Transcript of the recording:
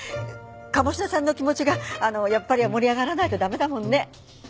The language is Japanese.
鴨志田さんの気持ちがやっぱり盛り上がらないと駄目だもんね。